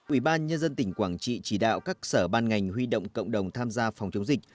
ủy ban nhân dân tỉnh quảng trị chỉ đạo các sở ban ngành huy động cộng đồng tham gia phòng chống dịch